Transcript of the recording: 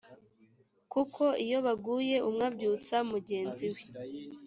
kuko iyo baguye umwe abyutsa mugenzi we